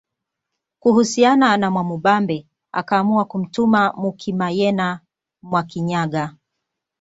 Kuhusiana na Mwamubambe akaamua kumtuma Mukimayena Mwakinyaga